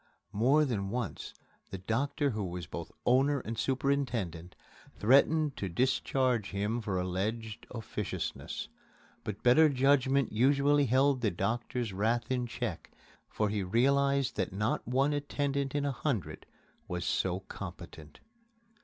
More than once the doctor who was both owner and superintendent threatened to discharge him for alleged officiousness. But better judgment usually held the doctor's wrath in check, for he realized that not one attendant in a hundred was so competent.